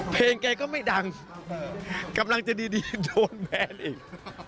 เพลงแกก็ไม่ดังกำลังจะดีโดนแบนอีก